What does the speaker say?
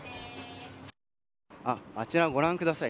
あちらご覧ください。